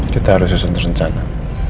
kita harus susun rencana